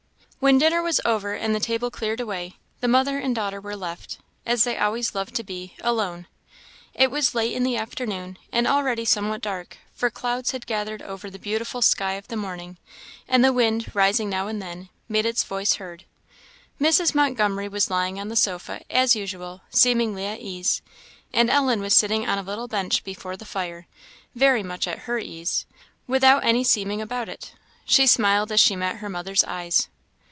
When dinner was over and the table cleared away, the mother and daughter were left, as they always loved to be, alone. It was late in the afternoon, and already somewhat dark, for clouds had gathered over the beautiful sky of the morning, and the wind, rising now and then, made its voice heard. Mrs. Montgomery was lying on the sofa, as usual, seemingly at ease; and Ellen was sitting on a little bench before the fire, very much at her ease, indeed, without any seeming about it. She smiled as she met her mother's eyes.